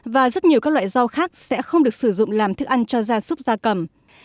và rất nhiều các loại rau khác sẽ không được sử dụng làm thức ăn cho gia súc gia cầm